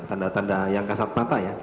tanda tanda yang kasat mata ya